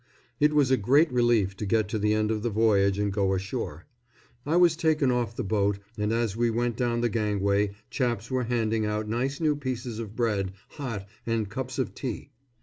It was a great relief to get to the end of the voyage and go ashore. I was taken off the boat, and as we went down the gangway chaps were handing out nice new pieces of bread, hot, and cups of tea.